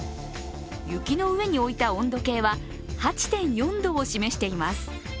雪の上に置いた温度計は８．４度を示しています。